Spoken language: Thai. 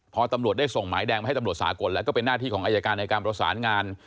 พอตำรวจได้ส่งหมายแดงมาให้ตำรวจสากลแล้วก็เป็นหน้าที่ของอายการในการประสานงาน